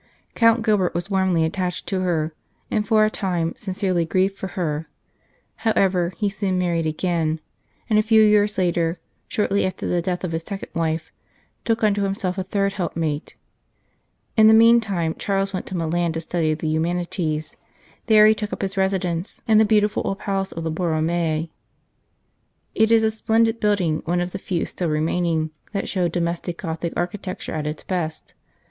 Count Gilbert was warmly attached to her, and for a time sincerely grieved for her ; however, he soon married again, and a few years later, shortly after the death of his second wife, took unto himself a third helpmate. In the meantime Charles went to Milan to study the Humanities. There he took up his residence in the beautiful old palace of the Borromei. It is a splendid building, one of the few still remaining that show domestic Gothic architecture at its best.